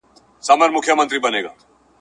اوس « غلی شانته انقلاب» سندري نه ږغوي ..